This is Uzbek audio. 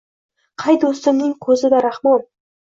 Qay do’stimning ko’zida rahmon